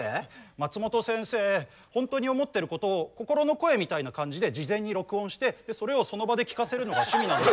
マツモト先生ホントに思ってることを心の声みたいな感じで事前に録音してそれをその場で聞かせるのが趣味なんです。